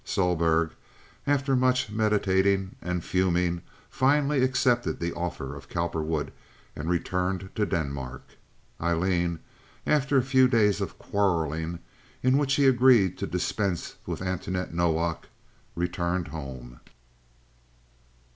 Sohlberg, after much meditating and fuming, finally accepted the offer of Cowperwood and returned to Denmark. Aileen, after a few days of quarreling, in which he agreed to dispense with Antoinette Nowak, returned home.